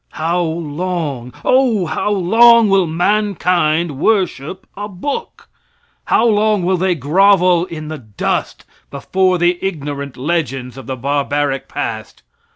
How long, O how long, will mankind worship a book? How long will they grovel in the dust before the ignorant legends of the barbaric past?